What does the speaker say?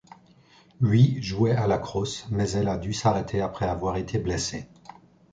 Ui jouait à la crosse, mais elle a dû s'arrêter après avoir été blessée.